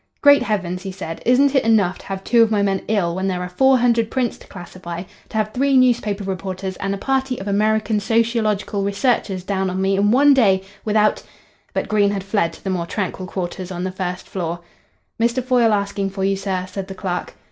"Great heavens!" he said. "Isn't it enough to have two of my men ill when there are four hundred prints to classify, to have three newspaper reporters and a party of American sociological researchers down on me in one day, without " But Green had fled to the more tranquil quarters on the first floor. "Mr. Foyle asking for you, sir," said the clerk.